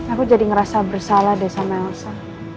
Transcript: aku jadi ngerasa bersalah deh sama elsa